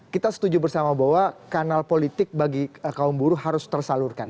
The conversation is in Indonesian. kita setuju bersama bahwa kanal politik bagi kaum buruh harus tersalurkan